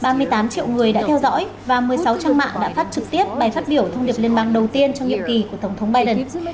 năm hai nghìn hai mươi hai ba mươi tám triệu người đã theo dõi và một mươi sáu trang mạng đã phát trực tiếp bài phát biểu thông điệp liên bang đầu tiên trong nhiệm kỳ của tổng thống biden